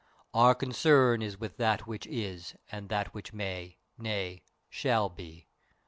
Our concern is with that which is and that which may nay, shall be.